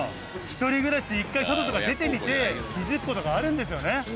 一人暮らしで一回外とか出てみて気づく事があるんですよね。